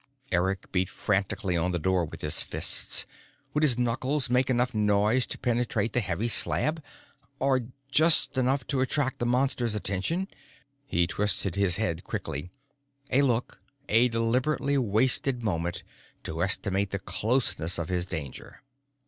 Eric beat frantically on the door with his fists. Would his knuckles make enough noise to penetrate the heavy slab? Or just enough to attract the Monster's attention? He twisted his head quickly a look, a deliberately wasted moment, to estimate the closeness of his danger.